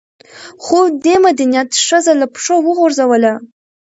خو دې مدنيت ښځه له پښو وغورځوله